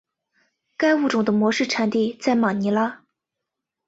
该物种的模式产地在马尼拉。